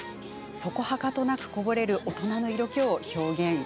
そこはかとなくこぼれる大人の色気を表現。